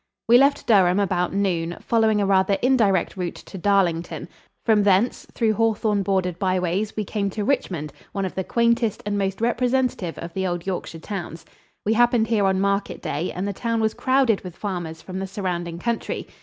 We left Durham about noon, following a rather indirect route to Darlington; from thence, through hawthorne bordered byways, we came to Richmond, one of the quaintest and most representative of the old Yorkshire towns. We happened here on market day and the town was crowded with farmers from the surrounding country.